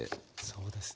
そうです。